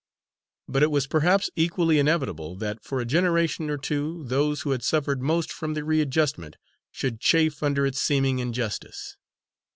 But it was perhaps equally inevitable that for a generation or two those who had suffered most from the readjustment, should chafe under its seeming injustice.